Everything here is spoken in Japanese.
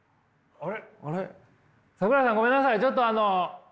あれ？